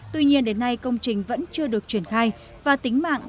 tuy nhiên đến nay công trình vẫn chưa được triển khai và tính mạng